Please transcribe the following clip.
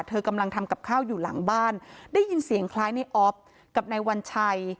กำลังทำกับข้าวอยู่หลังบ้านได้ยินเสียงคล้ายในออฟกับนายวัญชัย